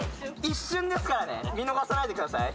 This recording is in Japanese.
一瞬ですからね見逃さないでください。